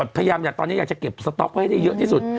พยายามอยากตอนนี้อยากจะเก็บสต๊อกไว้ให้ได้เยอะที่สุด